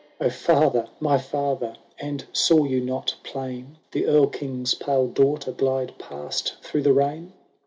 —" O father ! my father ! and saw you not plain The Erl King's pale daughter glide past through the rain?"